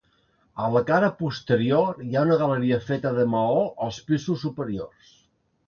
A la cara posterior hi ha una galeria feta de maó als pisos superiors.